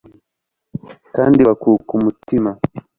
kandi bakuka umutima